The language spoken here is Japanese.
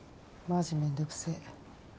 マジ面倒くせえ。